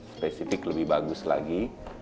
spesifik lebih bagus lagi